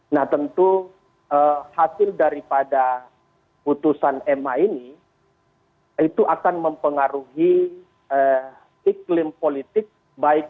nah tentu hasil daripada putusan ma ini itu akan mempengaruhi iklim politik